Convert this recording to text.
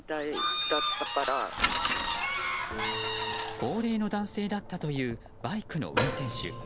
高齢の男性だったというバイクの運転手。